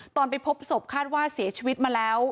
ไปพบศพคาดว่าเสียชีวิตมาแล้ว